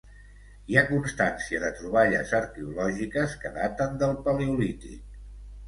Hi ha constància de troballes arqueològiques que daten del Paleolític.